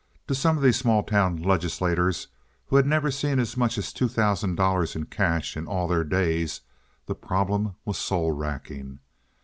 To some of these small town legislators, who had never seen as much as two thousand dollars in cash in all their days, the problem was soul racking.